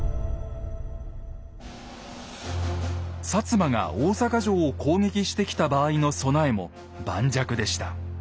摩が大坂城を攻撃してきた場合の備えも盤石でした。